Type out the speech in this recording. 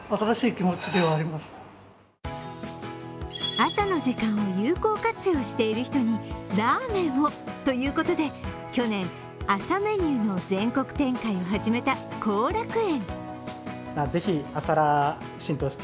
朝の時間を有効活用している人にラーメンをということで去年、朝メニューの全国展開を始めた幸楽苑。